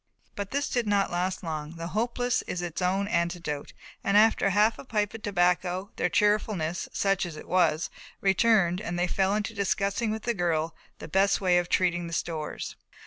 But this did not last long, the Hopeless is its own antidote and after half a pipe of tobacco their cheerfulness, such as it was, returned and they fell to discussing with the girl the best way of treating the stores.